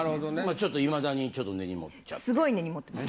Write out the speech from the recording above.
ちょっといまだに根に持っちゃって。